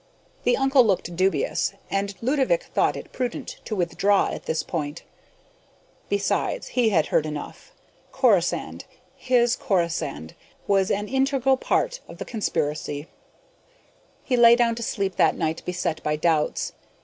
The uncle looked dubious, and Ludovick thought it prudent to withdraw at this point. Besides, he had heard enough. Corisande his Corisande was an integral part of the conspiracy. He lay down to sleep that night beset by doubts.